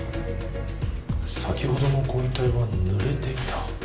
先ほどのご遺体はぬれていた。